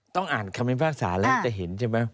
อ่านคำพิพากษาแล้วจะเห็นใช่ไหม